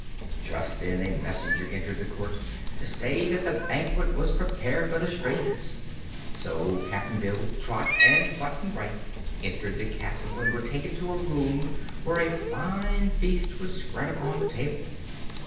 Just then a messenger entered the court to say that the banquet was prepared for the strangers. So Cap'n Bill, Trot and Button Bright entered the castle and were taken to a room where a fine feast was spread upon the table.